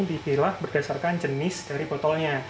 dipilah berdasarkan jenis dari botolnya